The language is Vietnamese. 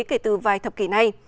kể từ vài thập kỷ này